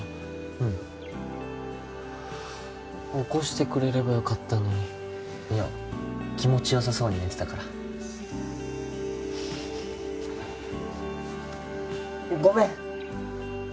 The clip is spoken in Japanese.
うん起こしてくれればよかったのにいや気持ちよさそうに寝てたからごめん